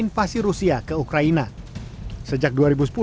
yang menyebabkan keadaan rusia menjadi negara yang tergantung